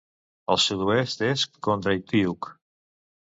Al sud-oest és Kondratyuk.